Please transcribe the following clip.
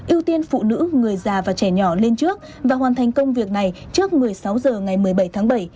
ưu tiên phụ nữ người già và trẻ nhỏ lên trước và hoàn thành công việc này trước một mươi sáu h ngày một mươi bảy tháng bảy